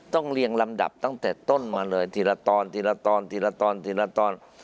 เรียงลำดับตั้งแต่ต้นมาเลยทีละตอนทีละตอนทีละตอนทีละตอน